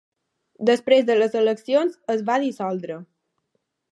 Després de les eleccions es va dissoldre.